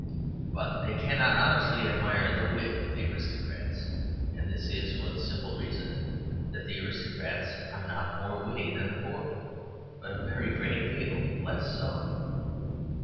But they cannot honestly admire the wit of the aristocrats. And this for the simple reason that the aristocrats are not more witty than the poor, but a very great deal less so.